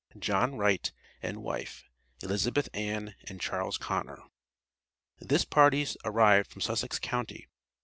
JOHN WRIGHT AND WIFE, ELIZABETH ANN, AND CHARLES CONNOR. This party arrived from Sussex county.